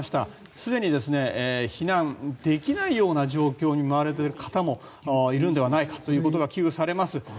すでに避難できないような状況に見舞われている方もいるのではないかということが危惧されます。